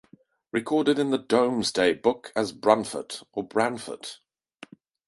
Recorded in the Domesday Book as "Brunfort" or "Branfort".